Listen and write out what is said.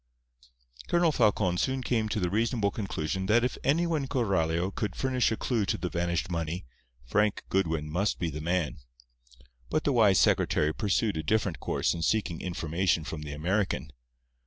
Colonel Falcon soon came to the reasonable conclusion that if anyone in Coralio could furnish a clue to the vanished money, Frank Goodwin must be the man. But the wise secretary pursued a different course in seeking information from the American.